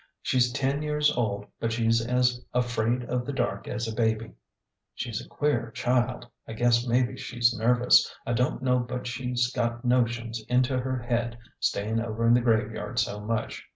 She's ten years old, but she's as afraid of the dark as a baby. She's a queer child. I guess mebbe she's nervous. I don't know 250 A GENTLE GHOST. but she's got notions into her head, stayin' over in the graveyard so much.